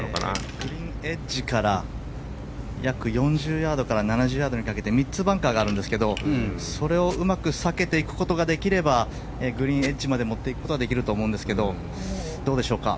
グリーンエッジから約４０ヤードから７０ヤードにかけて３つバンカーがあるんですがそれをうまく避けていくことができればグリーンエッジまで持っていくことはできるんですがどうでしょうか。